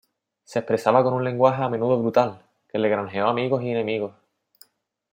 Se expresaba con un lenguaje a menudo brutal, que le granjeó amigos y enemigos.